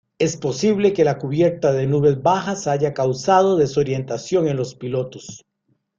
Es posible que la cubierta de nubes bajas haya causada desorientación en los pilotos.